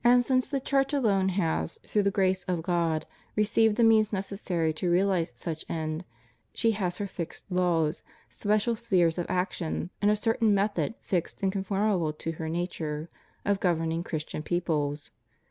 And since the Church alone has, through the grace of God, received the means necessary to realize such end, she has her fixed laws, special spheres of action, and a certain method, fixed and conformable to her nature, of governing Christian peoples.